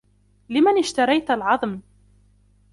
لمن اشتريت العظم ؟